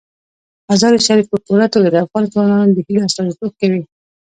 مزارشریف په پوره توګه د افغان ځوانانو د هیلو استازیتوب کوي.